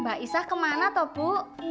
mbak isah kemana toh bu